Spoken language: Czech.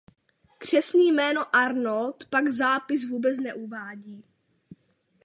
Křestní jméno Arnold pak zápis vůbec neuvádí.